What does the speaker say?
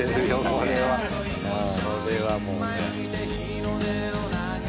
これはもうね。